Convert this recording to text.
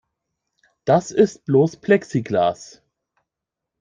Das ist bloß Plexiglas.